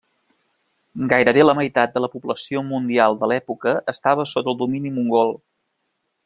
Gairebé la meitat de la població mundial de l'època estava sota el domini mongol.